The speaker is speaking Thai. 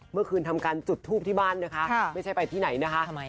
เมื่อคืนทำการจุดทูปที่บ้านนะคะไม่ใช่ไปที่ไหนนะคะ